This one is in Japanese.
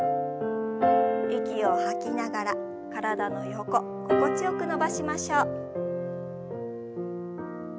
息を吐きながら体の横心地よく伸ばしましょう。